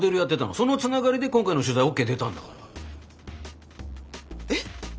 そのつながりで今回の取材ＯＫ出たんだから。